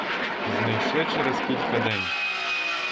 Знайшли через кілька день.